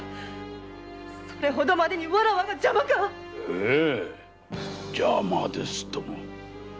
それほどまでにわらわが邪魔か‼ええ邪魔ですとも！